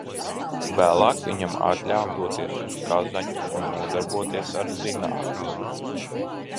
Vēlāk viņam atļāva doties uz Kazaņu un nodarboties ar zinātni.